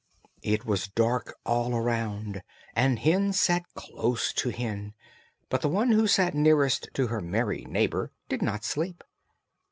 It was dark all around, and hen sat close to hen, but the one who sat nearest to her merry neighbour did not sleep.